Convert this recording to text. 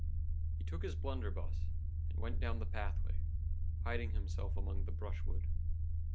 "He took his blunderbuss, and went down the pathway, hiding himself among the brushwood.